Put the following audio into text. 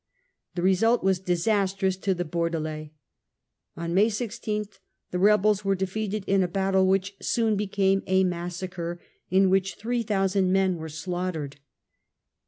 The result was disastrous to the Bordelais. On May 16 the rebels were defeated in a battle which soon became a massacre in which three thousand men were slaughtered.